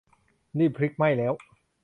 รีบพลิก ไหม้แล้ว